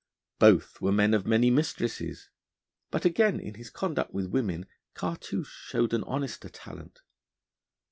Both were men of many mistresses, but again in his conduct with women Cartouche showed an honester talent.